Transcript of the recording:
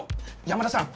山田さん